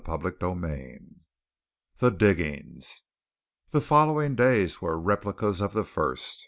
CHAPTER XVII THE DIGGINGS The following days were replicas of the first.